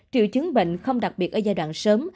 triệu chứng bệnh không đặc biệt ở giai đoạn sớm